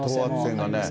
等圧線がね。